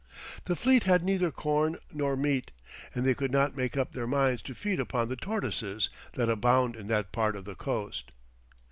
The fleet had neither corn nor meat, and they could not make up their minds to feed upon the tortoises that abound in that part of the coast.